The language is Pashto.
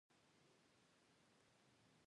ذهني حالت: